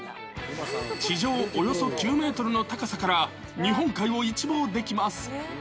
地上およそ９メートルの高さから日本海を一望できます。